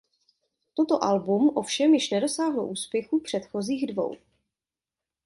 Toto album ovšem již nedosáhlo úspěchů předchozích dvou.